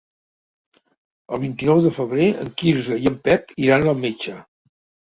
El vint-i-nou de febrer en Quirze i en Pep iran al metge.